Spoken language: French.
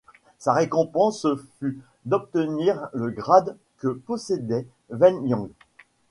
Sa récompense fut d'obtenir le grade que possédait Wei Yan.